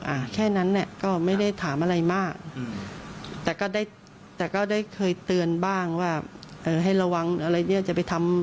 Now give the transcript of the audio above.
อ่าแค่นั้นเนี้ยก็ไม่ได้ถามอะไรมากอืมแต่ก็ได้แต่ก็ได้เคยเตือนบ้างว่าเอ่อให้ระวังอะไรเนี้ยจะไปทำ